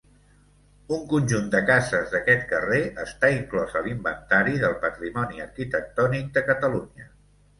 Un conjunt de cases d'aquest carrer està inclòs a l'Inventari del Patrimoni Arquitectònic de Catalunya.